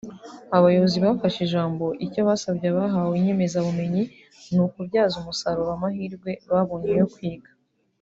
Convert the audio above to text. Abayobozi bafashe ijambo icyo basabye abahawe inyemezabumenyi ni ukubyaza umusaruro amahirwe babonye yo kwiga